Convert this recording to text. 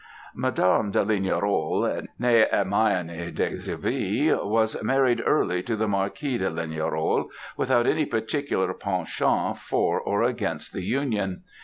"Madame de Lignerolles née Hermione de Givry, was married early to the Marquis de Lignerolles, without any particular penchant for or against the union.